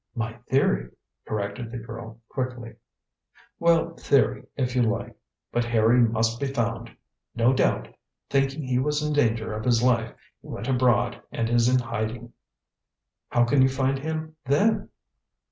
"My theory," corrected the girl quickly. "Well, theory, if you like. But Harry must be found. No doubt, thinking he was in danger of his life, he went abroad and is in hiding." "How can you find him, then?"